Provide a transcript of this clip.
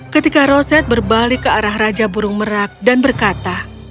ketika roset berbalik ke arah raja burung merak dan berkata